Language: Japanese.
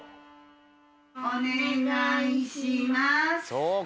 おねがいします。